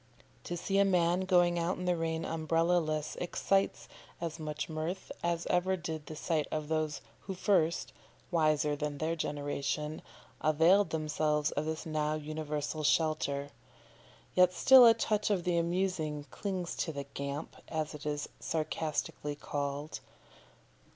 To see a man going out in the rain umbrella less excites as much mirth as ever did the sight of those who first wiser than their generation availed themselves of this now universal shelter. Yet still a touch of the amusing clings to the "Gamp," as it is sarcastically called.